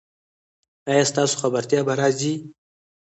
ایا ستاسو خبرتیا به راځي؟